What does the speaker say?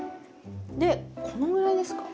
でこのぐらいですか？